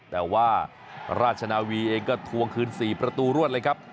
แต่ว่าราชนาวีเองก็ทวงคืน๔ประตูรวดเลยครับ